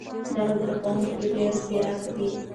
دغه زده کوونکی ډېر ځیرک دی.